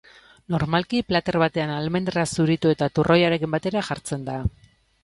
Normalki plater batean almendra zuritu eta turroiarekin batera jartzen da.